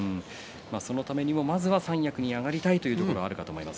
そのためにもまずは三役に上がりたいという思いもあると思います。